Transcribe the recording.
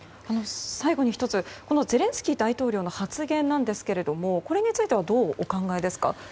最後に１つゼレンスキー大統領の発言ですがこれについてはどうお考えですか？